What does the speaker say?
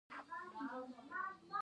آیا دوی د لبنیاتو کلک کنټرول نلري؟